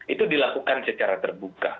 itu dilakukan secara terbuka